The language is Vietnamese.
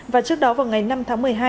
và trước đó vào ngày năm tháng một mươi hai